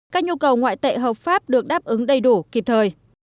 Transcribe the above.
các nhu cầu ngoại tệ hợp pháp được đáp ứng đầy đủ kịp thời